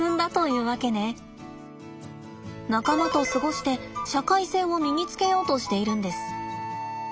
仲間と過ごして社会性を身につけようとしているんです。